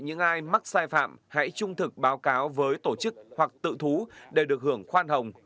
những ai mắc sai phạm hãy trung thực báo cáo với tổ chức hoặc tự thú để được hưởng khoan hồng